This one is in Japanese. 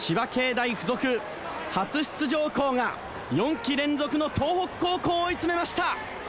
大附属初出場校が４季連続の東北高校を追い詰めました。